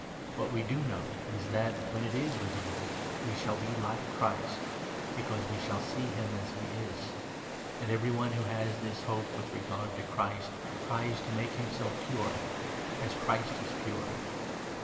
What we do know is that, when it is revealed, we shall be like Christ ; because we shall see him as he is. And every one who has this hope with regard to Christ 3 tries to make himself pure — as Christ is pure.